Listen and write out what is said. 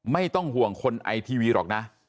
ไม่ต้องห่วงคนไอทีวีหรอกนะ